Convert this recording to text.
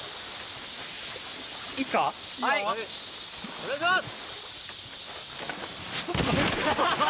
お願いします。